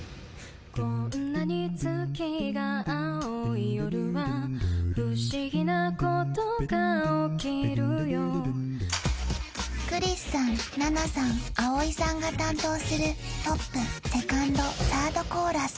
こんなに月が蒼い夜は不思議なことが起きるよクリスさんななさんあおいさんが担当するトップセカンドサードコーラス